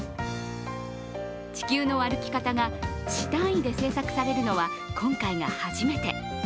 「地球の歩き方」が市単位で制作されるのは今回が初めて。